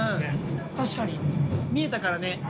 確かに見えたからね。